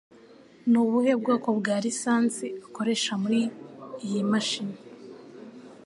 Ni ubuhe bwoko bwa lisansi ukoresha muri iyi mashini?